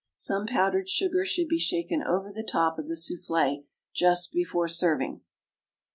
Some powdered sugar should be shaken over the top of the souffle just before serving.